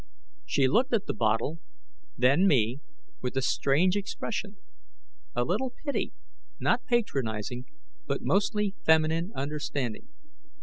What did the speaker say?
She looked at the bottle, then me, with a strange expression: a little pity not patronizing but mostly feminine understanding.